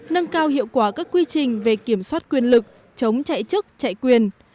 nâng cao hiệu quả các quy trình về kiểm soát quyền lực chống chạy chức chạy quyền